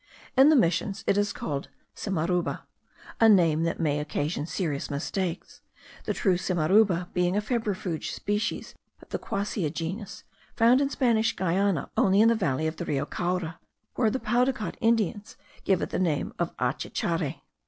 In the Missions it is called simaruba; a name that may occasion serious mistakes, the true simaruba being a febrifuge species of the Quassia genus, found in Spanish Guiana only in the valley of Rio Caura, where the Paudacot Indians give it the name of achecchari.